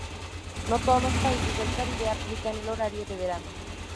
No todos los países del Caribe aplican el horario de verano.